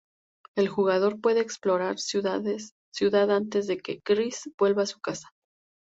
El jugador puede explorar la ciudad antes de que Kris vuelva a su casa.